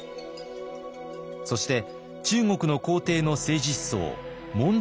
そして中国の皇帝の政治思想文章